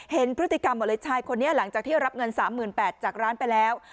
เห็นพฤติกรรมหมดเลยชายคนนี้หลังจากที่รับเงิน๓๘๐๐จากร้านไปแล้ว